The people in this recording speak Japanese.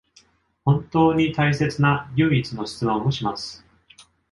本当に大切な唯一の質問をします